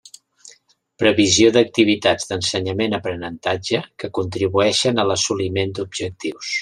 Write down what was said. Previsió d'activitats d'ensenyament aprenentatge que contribueixen a l'assoliment d'objectius.